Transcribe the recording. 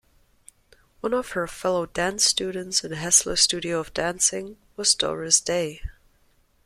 One of her fellow dance students at Hessler Studio of Dancing was Doris Day.